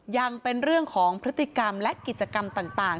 ยังเป็นเรื่องของพฤติกรรมและกิจกรรมต่าง